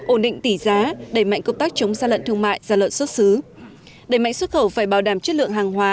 ổn định tỷ giá đẩy mạnh công tác chống gian lận thương mại gia lận xuất xứ đẩy mạnh xuất khẩu phải bảo đảm chất lượng hàng hóa